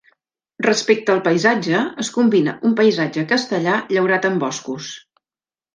Respecte al paisatge es combina un paisatge castellà llaurat amb boscos.